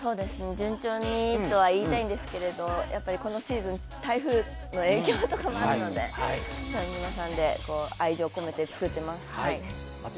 順調にと言いたいんですけれども、このシーズン、台風の影響とかもあるので、皆さんで愛情込めて作っています。